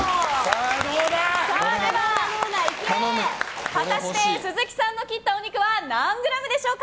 では、果たして鈴木さんの切ったお肉は何グラムでしょうか。